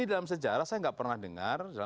ini dalam sejarah saya tidak pernah dengar